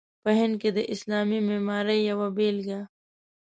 په هند کې د اسلامي معمارۍ یوه بېلګه.